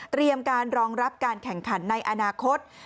การรองรับการแข่งขันในอนาคต